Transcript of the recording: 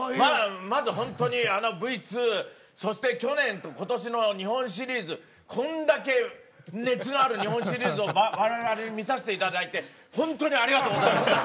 まずほんとにあのＶ２そして去年と今年の日本シリーズこんだけ熱のある日本シリーズを我々観さしていただいてほんとにありがとうございました。